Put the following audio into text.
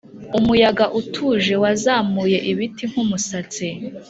umuyaga utuje wazamuye ibiti nkumusatsi